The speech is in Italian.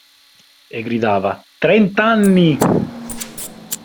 E gridava: – Trent'anni!